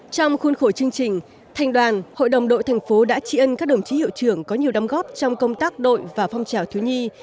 trong khuôn khổ chương trình thành đoàn hội đồng đội thành phố đã trị ân các đồng chí hiệu trưởng có nhiều đóng góp trong công tác đội và phong trào thiếu nhi